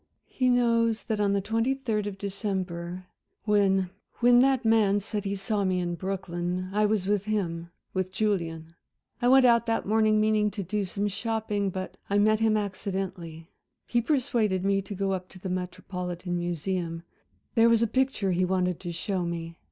"He knows that on the twenty third of December, when when that man said he saw me in Brooklyn, I was with him with Julian. I went out that morning, meaning to do some shopping, but I met him accidentally. He persuaded me to go up to the Metropolitan Museum there was a picture he wanted to show me.